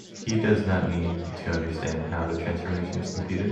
He does not need to understand how the transformation is computed.